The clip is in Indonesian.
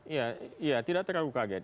iya tidak terlalu kaget